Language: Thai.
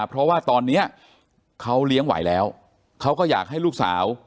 เพราะว่าตอนนี้เขาเลี้ยงไหวแล้วเขาก็อยากให้ลูกสาว